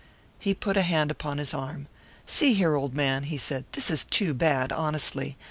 He put a hand upon his arm. "See here, old, man," he said, "this is too bad, honestly.